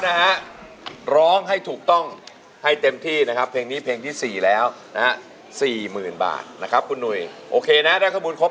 มามาดูกันเลยสำหรับเพลงแรกของวันนี้นะครับที่คุณหนุ่ยนะครับ